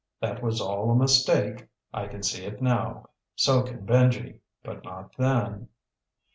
That was all a mistake. I can see it now. So can Benji. But not then.